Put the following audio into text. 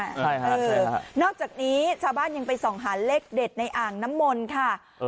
ใช่ค่ะนอกจากนี้ชาวบ้านยังไปส่องหาเลขเด็ดในอ่างน้ำมนต์ค่ะ